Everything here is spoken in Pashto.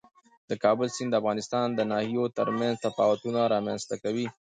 د کابل سیند د افغانستان د ناحیو ترمنځ تفاوتونه رامنځ ته کوي.